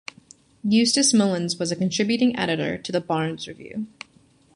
Eustace Mullins was a contributing editor to the "Barnes Review".